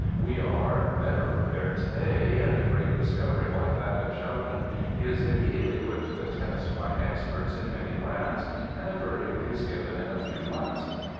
We are better prepared to day ; and a great discovery like that of Schaudinn is immediately put to the test by experts in many lands, and a verdict is given in a few months.